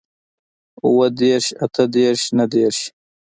اووه دېرش اتۀ دېرش نهه دېرش